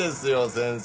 先生